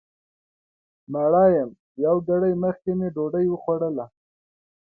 مړه یم یو ګړی مخکې مې ډوډۍ وخوړله